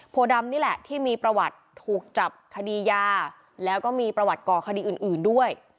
ดำนี่แหละที่มีประวัติถูกจับคดียาแล้วก็มีประวัติก่อคดีอื่นด้วย